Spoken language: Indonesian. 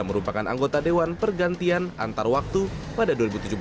merupakan anggota dewan pergantian antar waktu pada dua ribu tujuh belas